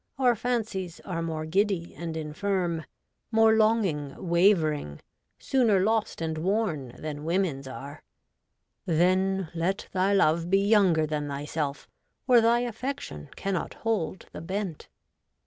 Our fancies are more giddy and infirm, More longing, wavering, sooner lost and worn. Than women's are. Then let thy love be younger than thyself, Or thy affection cannot hold the bent.'